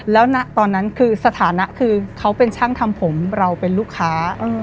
แล้วตอนนั้นคือสถานะคือเขาเป็นช่างทำผมเราเป็นลูกค้า